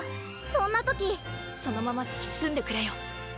そんな時そのまま突き進んでくれよ。